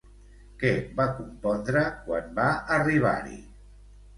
Què va compondre, quan va arribar-hi?